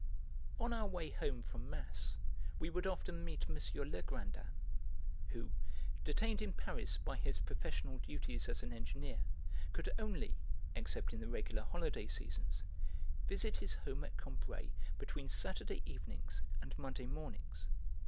On our way home from mass we would often meet M. Legrandin, who, detained in Paris by his professional duties as an engineer, could only (except in the regular holiday seasons) visit his home at Combray between Saturday evenings and Monday mornings.